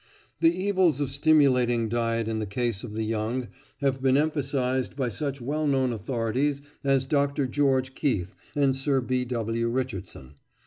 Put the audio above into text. The evils of stimulating diet in the case of the young have been emphasized by such well known authorities as Dr. George Keith and Sir B. W. Richardson.